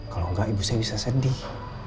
kalau enggak ibu saya bisa sedih